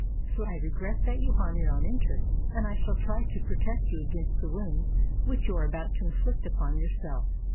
So I regret that you harm your own interests, and I shall try to protect you against the wounds which you are about to inflict upon your self."